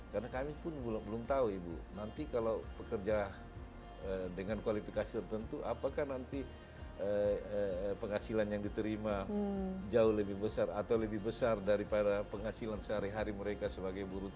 karena kami pun belum tahu ibu nanti kalau pekerja dengan kualifikasi tertentu apakah nanti penghasilan yang diterima jauh lebih besar atau lebih besar daripada penghasilan sehari hari mereka sebagai buru tani